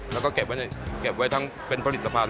แล้วก็เก็บไว้ทั้งเป็นผลิตภัณฑ